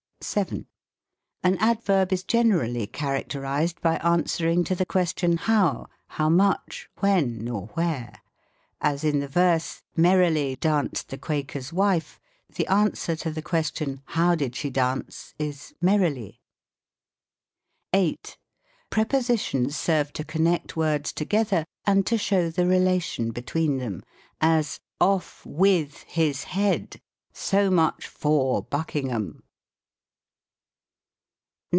7. An Adverb is generally characterised by answer ing to the question, How ? how much ? wlien ? or where ? as in the verse, " Merrily danced the Quaker's wife," the answer to the question. How did she dance? is, merrily. 8. Prepositions serve to connect words together, and to show the relation between them : as, " Off with his head, so muchybr Buckingham!"